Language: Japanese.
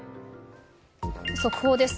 速報です。